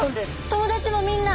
友達もみんな？